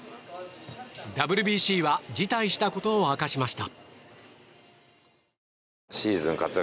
ＷＢＣは辞退したことを明かしました。